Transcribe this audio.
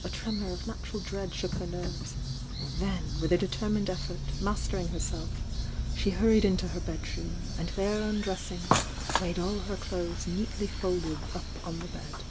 tremor of natural dread shook her nerves, then. with a determined effort mostcnnK herself, she hurried into herb^droom an d' there ""'Irrssmn laid all her clothes neatly fold" ZVu u'^\ ^^?